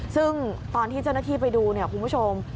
ซึ่งตอนที่เจ้าหน้าที่ไปดูเนี่ยคุณผู้ชม